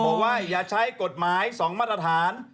บอกว่าอย่าใช้กฎหมาย๒มาตรฐาน